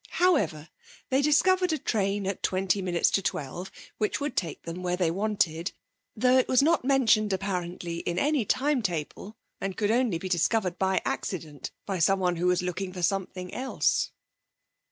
However, they discovered a train at twenty minutes to twelve, which would take them where they wanted, though it was not mentioned, apparently, in any timetable, and could only be discovered by accident by someone who was looking for something else.